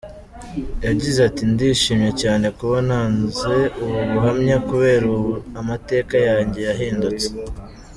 Yagize ati "Ndishimye cyane kuba ntanze ubu buhamya, kubera ubu amateka yanjye yahindutse.